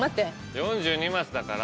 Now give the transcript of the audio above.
４２マスだから。